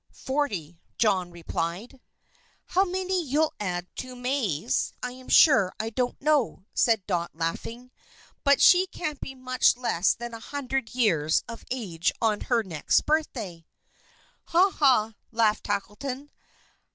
"Forty," John replied. "How many you'll add to May's I am sure I don't know," said Dot, laughing. "But she can't be much less than a hundred years of age on her next birthday." "Ha, ha!" laughed Tackleton.